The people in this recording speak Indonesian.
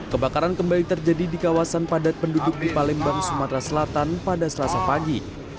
kebakaran kembali terjadi di kawasan padat penduduk di palembang sumatera selatan pada selasa pagi